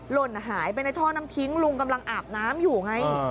หล่นหายไปในท่อน้ำทิ้งลุงกำลังอาบน้ำอยู่ไง